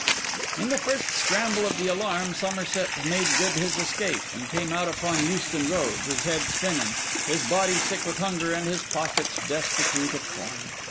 In the first scramble of the alarm, Somerset made good his escape, and came out upon the Euston Road, his head spinning, his body sick with hunger, and his pockets destitute of coin.